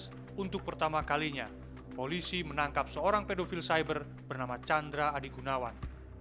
pada awal dua ribu empat belas untuk pertama kalinya polisi menangkap seorang pedofil cyber bernama chandra adigunawan